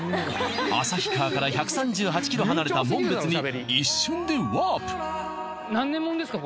旭川から１３８ｋｍ離れた紋別に一瞬でワープ何年もんですか？